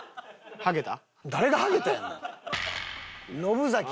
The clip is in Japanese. ハゲた？